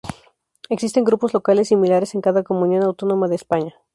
Existen grupos locales similares en cada Comunidad Autónoma de España.